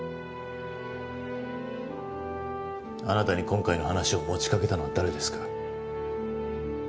あなたに今回の話を持ちかけたのは誰ですか？